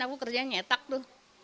aku kerja nyetak tuh